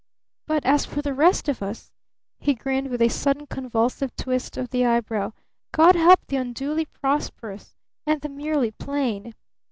But as for the rest of us?" he grinned with a sudden convulsive twist of the eyebrow, "God help the unduly prosperous and the merely plain!